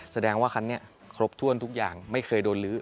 แสดงว่าคันนี้ครบถ้วนทุกอย่างไม่เคยโดนลื้อ